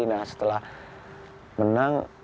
nah setelah menang